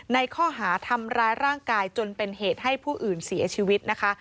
ในข้อหาทำร้ายร่างกายจนเป็นเหตุให้ผู้อื่นเสียชีวิตนะคะ